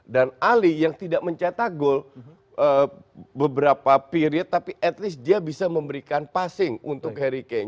dan ali yang tidak mencetak gol beberapa period tapi at least dia bisa memberikan passing untuk harry kane